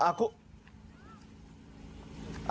อ่าคุณ